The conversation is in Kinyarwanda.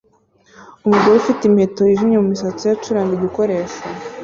Umugore ufite imiheto yijimye mumisatsi ye acuranga igikoresho